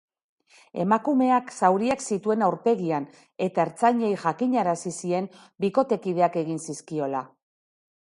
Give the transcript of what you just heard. Emakumeak zauriak zituen aurpegian eta ertzainei jakinarazi zien bikotekideak egin zizkiola.